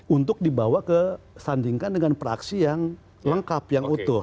untuk dibawa ke sandingkan dengan praksi yang lengkap yang utuh